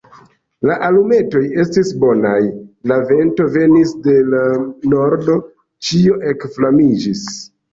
La alumetoj estis bonaj: la vento venis de l' nordo, ĉio ekflamiĝis.